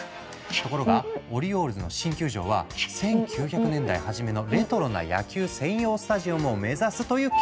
ところがオリオールズの新球場は１９００年代初めのレトロな野球専用スタジアムを目指すという計画。